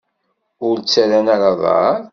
Ur ttarran ara aḍar?